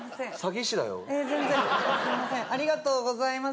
ありがとうございます。